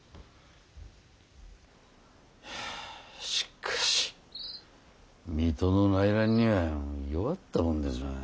しかし水戸の内乱には弱ったもんですな。